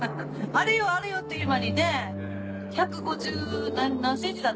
あれよあれよっていう間にね１５０何ｃｍだったの？